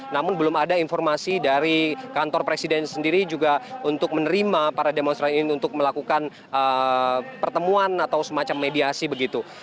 namun belum ada informasi dari kantor presiden sendiri juga untuk menerima para demonstran ini untuk melakukan pertemuan atau semacam mediasi begitu